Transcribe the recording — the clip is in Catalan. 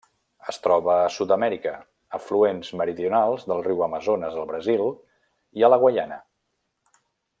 Es troba a Sud-amèrica: afluents meridionals del riu Amazones al Brasil i a la Guaiana.